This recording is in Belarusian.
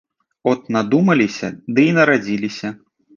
От надумаліся ды і нарадзіліся.